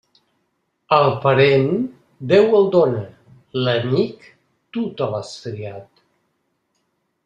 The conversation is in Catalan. El parent, Déu el dóna; l'amic, tu te l'has triat.